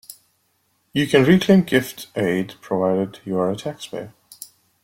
You can reclaim gift aid provided you are a taxpayer.